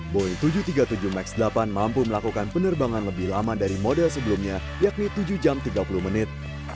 boeing tujuh ratus tiga puluh tujuh max delapan mampu melakukan penerbangan lebih lama dari model sebelumnya yakni tujuh jam tiga puluh menit